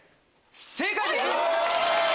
正解です！